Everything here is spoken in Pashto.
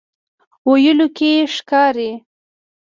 ویلو کې ښکاري.